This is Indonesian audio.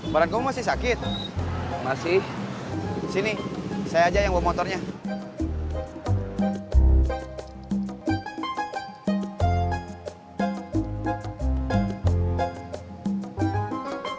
kenapa malem traumatic ini udah mau ke sold out deh